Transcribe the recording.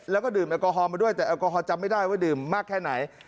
แล้วก็ดื่มแอลกอฮอลมาด้วยแต่แอลกอฮอลจำไม่ได้ว่าดื่มมากแค่ไหน